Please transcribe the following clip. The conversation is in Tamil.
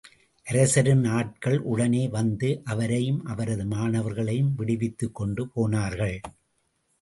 அரசரின் ஆட்கள் உடனே வந்து அவரையும், அவரது மாணவர்களையும் விடுவித்துக் கொண்டு போனார்கள்.